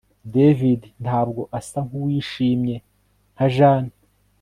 David ntabwo asa nkuwishimye nka Jane